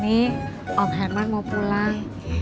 ini om herman mau pulang